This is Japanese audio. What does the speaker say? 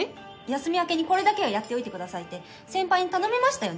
休み明けにこれだけはやっておいてくださいって先輩に頼みましたよね？